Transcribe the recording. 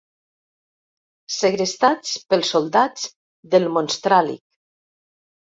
Segrestats pels soldats del Monstràl·lic.